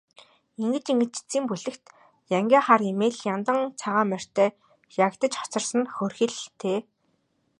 Ингэж ингэж эцсийн бүлэгт янгиа хар эмээл, яндан цагаан морьтой ягдаж хоцорсон нь хөөрхийлөлтэй.